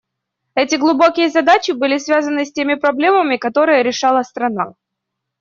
Эти глубокие задачи были связаны с теми проблемами, которые решала страна.